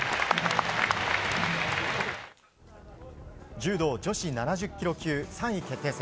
柔道女子７０ｋｇ級３位決定戦。